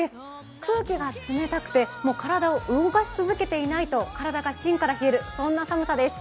空気が冷たくてもう体を動かし続けていないと体が芯から冷える、そんな寒さです。